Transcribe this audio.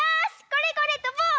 これこれ！とぼう！